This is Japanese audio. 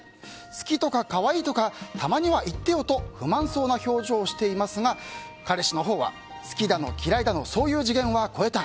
好きとか可愛いとかたまには言ってよと不満そうな表情をしていますが彼氏のほうは好きだの嫌いだのそういう次元は越えた。